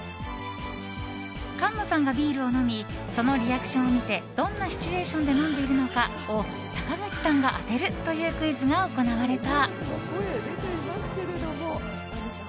菅野さんがビールを飲みそのリアクションを見てどんなシチュエーションで飲んでいるのかを坂口さんが当てるというクイズが行われた。